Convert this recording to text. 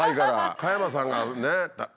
加山さんがね